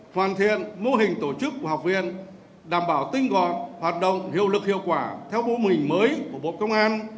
hoàn thiện mô hình tổ chức của học viên đảm bảo tinh gọn hoạt động hiệu lực hiệu quả theo mô hình mới của bộ công an